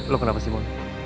lo kenapa sih mau